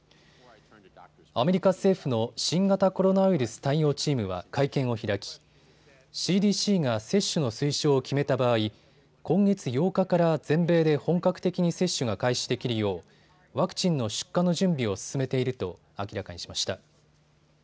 アメリカ政府の新型コロナウイルス対応チームは会見を開きＣＤＣが接種の推奨を決めた場合、今月８日から全米で本格的に接種が開始できるようワクチンの出荷の準備を進めていると明らかにしました。